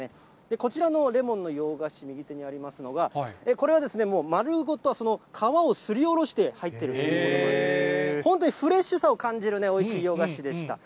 こちらのレモンの洋菓子の右手にありますのが、これはですね、もう丸ごと、皮をすりおろして入っているものなんですけども、本当にフレッシュさを感じる、おいしい洋菓子でした。